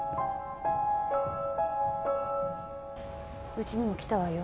うちにも来たわよ